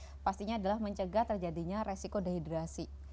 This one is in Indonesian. yang keempat apakah air itu dapat menyebabkan terjadi resiko dehydrasi